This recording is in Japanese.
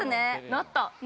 ◆なった！